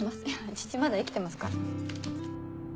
父まだ生きてますから。